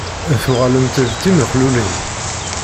Tuɣalemt d timexlulin?